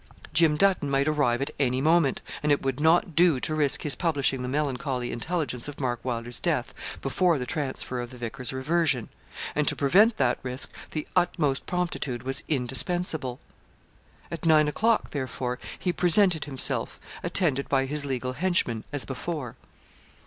Jim Dutton might arrive at any moment, and it would not do to risk his publishing the melancholy intelligence of Mark Wylder's death before the transfer of the vicar's reversion; and to prevent that risk the utmost promptitude was indispensable. At nine o'clock, therefore, he presented himself, attended by his legal henchmen as before.